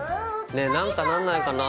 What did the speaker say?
ね何かなんないかな？